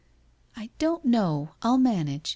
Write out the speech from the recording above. ' I don't know, I'll manage.